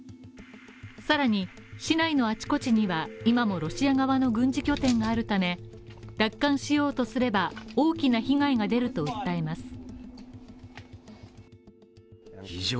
更に市内のあちこちには、今もロシア側の軍事拠点があるため、奪還しようとすれば大きな被害が出ると訴えます。